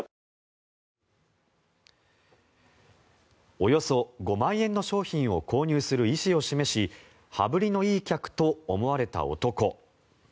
およそ５万円の商品を購入する意思を示し羽振りのいい客と思われた男。